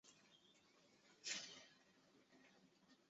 其早年为元朝浙江行省掾。